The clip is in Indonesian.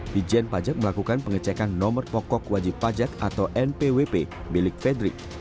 dijen pajak melakukan pengecekan nomor pokok wajib pajak atau npwp milik fredrik